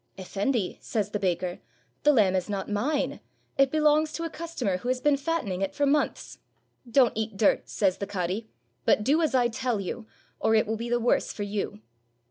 "Effendi," says the baker, "the lamb is not mine; it belongs to a customer who has been fattening it for months," "Don't eat dirt," says the cadi, "but do as I tell you, or it will be the worse for you."